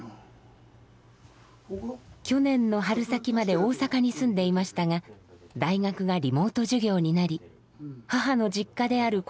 去年の春先まで大阪に住んでいましたが大学がリモート授業になり母の実家であるここで暮らすことにしました。